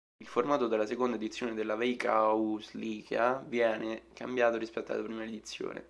Il formato della seconda edizione della Veikkausliiga venne cambiato rispetto alla prima edizione.